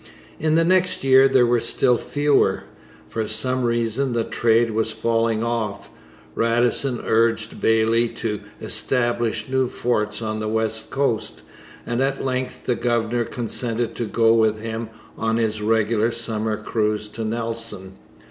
In the next year there were still fewer. For some reason the trade was falling off. Radisson urged Bayly to establish new forts on the west coast, and at length the governor consented to go with him on his regular summer cruise to Nelson.